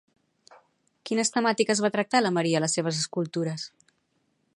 Quines temàtiques va tractar la Maria a les seves escultures?